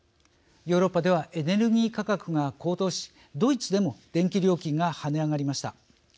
ヨーロッパではエネルギー価格が高騰しドイツでも電気料金が跳ね上がりました。